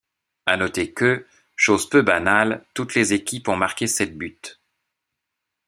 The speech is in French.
À noter que, chose peu banale, toutes les équipes ont marqué sept buts.